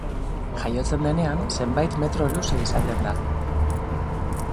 Jaiotzen denean, zenbait metro luze izaten da.